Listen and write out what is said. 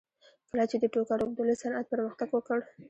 کله چې د ټوکر اوبدلو صنعت پرمختګ وکړ